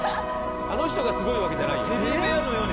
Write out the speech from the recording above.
あの人がすごいわけじゃないよね